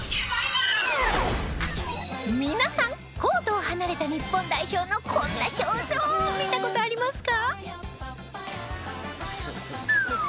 皆さん、コートを離れた日本代表のこんな表情見たことありますか？